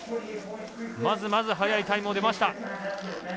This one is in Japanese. まずまず早いタイムも出ました。